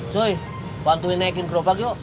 cuy bantuin naikin gerobak yuk